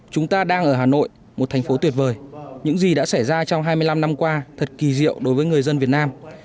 chúng ta đang ở hà nội một thành phố tuyệt vời những gì đã xảy ra trong hai mươi năm năm qua thật kỳ diệu đối với người dân việt nam